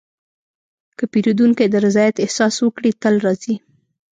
که پیرودونکی د رضایت احساس وکړي، تل راځي.